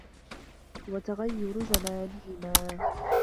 وَتَغَيُّرُ زَمَانِهِمَا